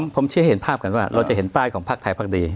ผมเชื่อเห็นภาพกันว่าเราจะเห็นป้ายของภาคไทยพักดี